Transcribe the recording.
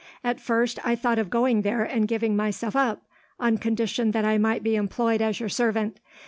At first, I thought of going there and giving myself up, on condition that I might be employed as your servant.